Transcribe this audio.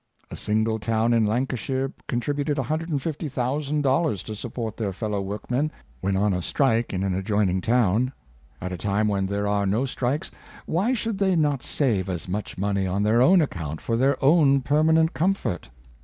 A single town in Lancashire con tributed $150,000 to support their fellow workmen when on a strike in an adjoining town. At a time when there are no strikes, why should they not save as much money on their own account for their own per manent comfort